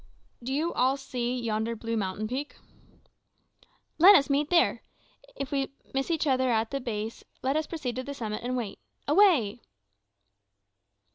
"D'you all see yonder blue mountain peak?" "Let us meet there. If we miss each other at the base, let us proceed to the summit and wait. Away!"